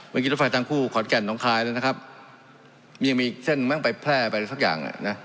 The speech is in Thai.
เมื่อกี้รถไฟทางคู่ขอนแก่นน้องคลายแล้วนะครับมันยังมีเส้นบ้างไปแพร่ไปสักอย่างนะ